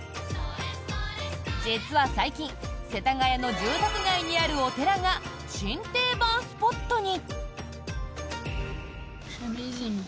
実は最近世田谷の住宅街にあるお寺が新定番スポットに。